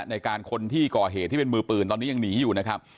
ในการคนที่ก่อเหตุที่เป็นมือปืนตอนนี้ยังหนีอยู่นะครับ